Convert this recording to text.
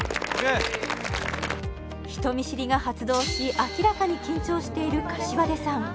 人見知りが発動し明らかに緊張している膳さん